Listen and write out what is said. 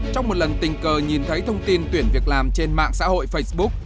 trong một lần tình cờ nhìn thấy thông tin tuyển việc làm trên mạng xã hội facebook